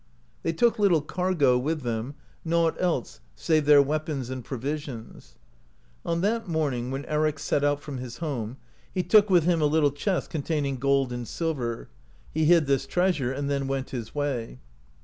They took little cargo wath them, nought else save their weapons and provisions. On that morning when Eric set out from his home he took with him a little chest containing gold and silver; he hid this treasure, and then w^ent his way.